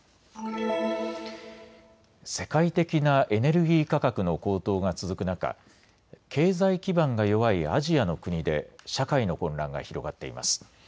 世界的なエネルギー価格の高騰が続く中、経済基盤が弱いアジアの国で社会の混乱が広がっています。